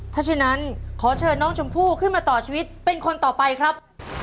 ถ้าฉะนั้นขอเชิญน้องชมพู่ขึ้นมาต่อชีวิตเป็นคนต่อไปครับ